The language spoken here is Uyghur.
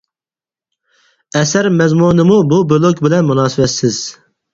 ئەسەر مەزمۇنىمۇ بۇ بىلوگ بىلەن مۇناسىۋەتسىز.